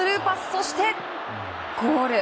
そして、ゴール。